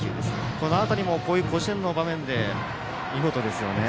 この辺りも、こういう甲子園の場面で見事ですよね。